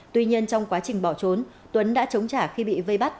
tuy nhiên trong quá trình bỏ trốn tuấn đã chống trả khi bị vây bắt